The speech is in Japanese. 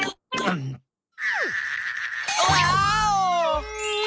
ワーオ！